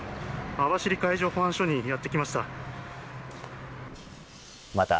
網走海上保安署にやってきました。